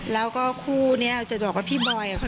แล้วก็คู่นี่อาจจะบอกพี่บอย